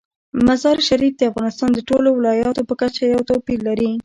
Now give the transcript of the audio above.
مزارشریف د افغانستان د ټولو ولایاتو په کچه یو توپیر لري.